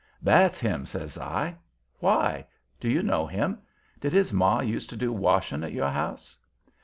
"That's him," says I. "Why? Do you know him? Did his ma used to do washing at your house?"